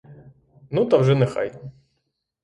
Ну, та вже нехай!